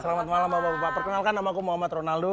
selamat malam bapak bapak perkenalkan nama aku muhammad ronaldo